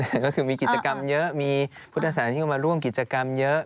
แต่ก็คือมีกิจกรรมเยอะมีพุทธศาสตร์ที่เข้ามาร่วมกิจกรรมเยอะ